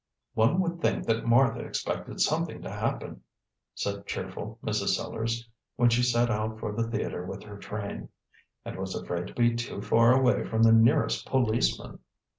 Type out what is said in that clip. "One would think that Martha expected something to happen," said cheerful Mrs. Sellars, when she set out for the theatre with her train, "and was afraid to be too far away from the nearest policeman!"